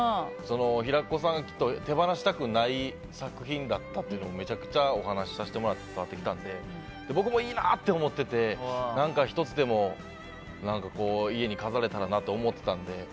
平子さん手放したくない作品だったということをめちゃくちゃお話させてもらって伝わってきたので僕もいいな！って思っていて何か１つでも家に飾れたらなと思ってたので。